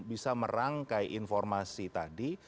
bisa merangkai informasi tadi